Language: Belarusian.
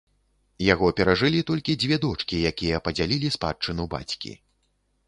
Яго перажылі толькі дзве дочкі, якія падзялілі спадчыну бацькі.